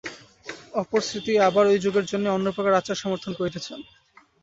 অপর স্মৃতি আবার ঐ যুগের জন্যই অন্যপ্রকার আচার সমর্থন করিতেছেন।